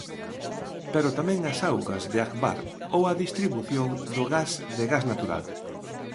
Pero tamén as augas de Agbar ou a distribución do gas de Gas Natural.